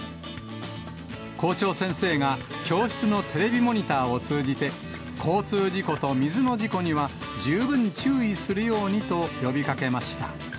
校長先生が教室のテレビモニターを通じて、交通事故と水の事故には十分注意するようにと呼びかけました。